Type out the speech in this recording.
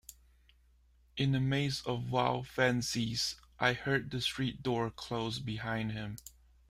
In a maze of wild fancies I heard the street door close behind him.